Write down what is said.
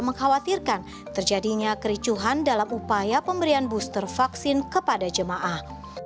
mengkhawatirkan terjadinya kericuhan dalam upaya pemberian booster vaksin kepada jemaah